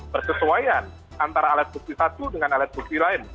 persesuaian antara alat bukti satu dengan alat bukti lain